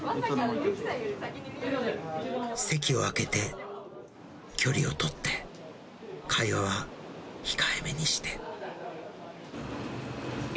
席を空けて、距離を取って、会話は控えめにして。